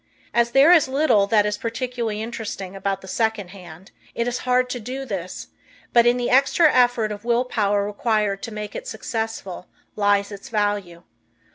As there is little that is particularly interesting about the second hand, it is hard to do this, but in the extra effort of will power required to make it successful lies its value.